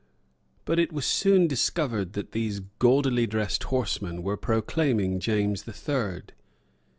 But it was soon discovered that these gaudily dressed horsemen were proclaiming James the Third.